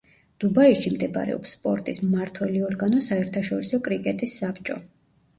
დუბაიში მდებარეობს სპორტის მმართველი ორგანო საერთაშორისო კრიკეტის საბჭო.